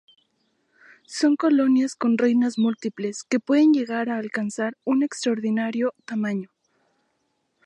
Son colonias con reinas múltiples que pueden llegar a alcanzar un extraordinario tamaño.